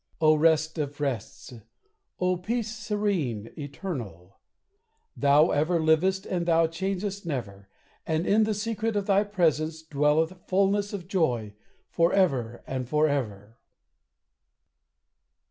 O rest of rests! O peace serene, eternal! Thou ever livest and thou changest never; And in the secret of thy presence dwelleth Fullness of joy, forever and forever.